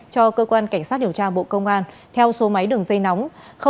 cho cơ quan cảnh sát hiểm tra bộ công an theo số máy đường dây nóng